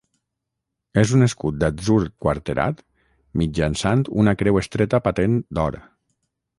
És un escut d'atzur quarterat mitjançant una creu estreta patent d'or.